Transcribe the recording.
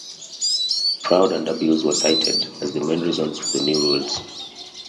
Fraud and abuse were cited as the main reasons for the new rules.